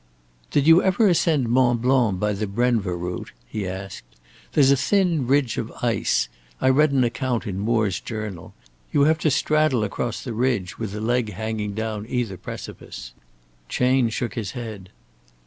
"Did you ever ascend Mont Blanc by the Brenva route?" he asked. "There's a thin ridge of ice I read an account in Moore's 'Journal' you have to straddle across the ridge with a leg hanging down either precipice." Chayne shook his head.